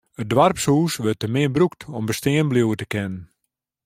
It doarpshûs wurdt te min brûkt om bestean bliuwe te kinnen.